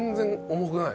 重くない。